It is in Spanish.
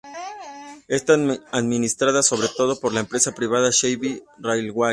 Están administradas sobre todo por la empresa privada Seibu Railway.